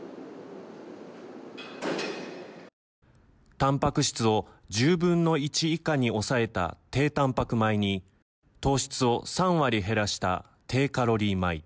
たんぱく質を１０分の１以下に抑えた「低たんぱく米」に糖質を３割減らした「低カロリー米」。